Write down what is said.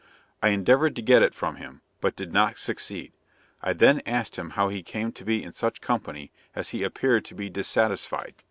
I endeavored to get it from him, but did not succeed. I then asked him how he came to be in such company, as he appeared to be dissatisfied.